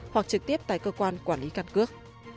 hoặc trực tiếp tại cơ quan quản lý căn cước